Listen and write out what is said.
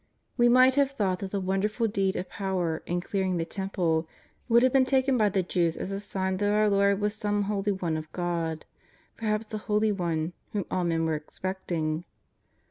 We might have thought that the wonderful deed of power in clearing the Temple would have been taken by the Jews as a sign that our Lord was some holy one of God, perhaps the Holy One whom all men were expecting.